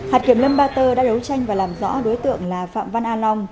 hạt kiểm lâm ba tơ đã đấu tranh và làm rõ đối tượng là phạm văn a long